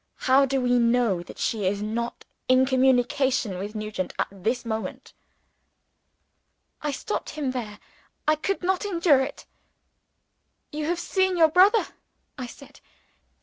How do we know that she is not in communication with Nugent at this moment?" I stopped him there I could not endure it. "You have seen your brother," I said.